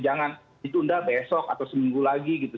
jangan ditunda besok atau seminggu lagi gitu